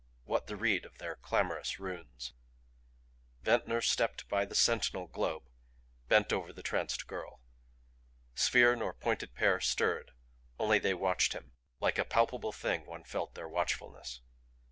What the rede of their clamorous runes? Ventnor stepped by the sentinel globe, bent over the tranced girl. Sphere nor pointed pair stirred; only they watched him like a palpable thing one felt their watchfulness.